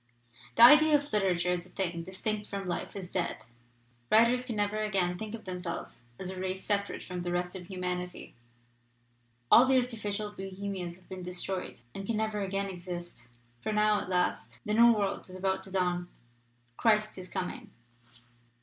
The idea of literature as a thing 299 LITERATURE IN THE MAKING distinct from life is dead. Writers can never again think of themselves as a race separate from the rest of humanity. All the artificial Bohemias have been destroyed, and can never again exist; for now at last the new world is about to dawn. Christ is coming.